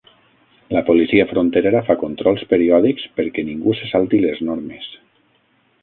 La policia fronterera fa controls periòdics perquè ningú se salti les normes.